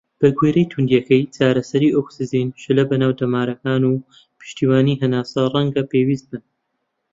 بەگوێرەی تووندیەکەی، چارەسەری ئۆکسجین، شلە بە ناو دەمارەکان، و پشتیوانی هەناسە ڕەنگە پێویست بن.